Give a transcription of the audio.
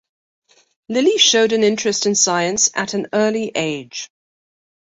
Lilly showed an interest in science at an early age.